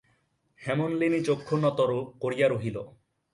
হেমনলিনী চক্ষু নত করিয়া রহিল।